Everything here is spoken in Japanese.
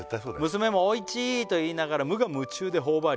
「娘もおいちいと言いながら無我夢中で頬張り」